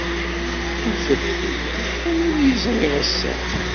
Afet-d anwa ay ẓriɣ ass-a.